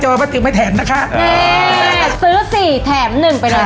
จริงใจกับลูกค้าเราต้องซื้อสัตว์กับตัวเราเอง